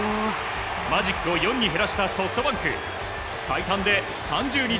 マジックを４に減らしたソフトバンク最短で３０日